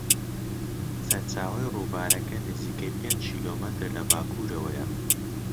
سەرچاوەی ڕووبارەکە نزیکەی پێنج کیلۆمەتر لە باکوورەوەیە.